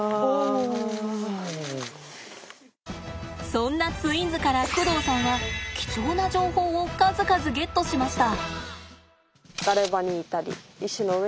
そんなツインズから工藤さんは貴重な情報を数々ゲットしました。